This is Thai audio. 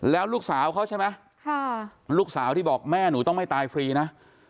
แล้วลูกสาวเขาใช่ไหมลูกสาวที่บอกแม่หนูต้องไม่ตายฟรีนะ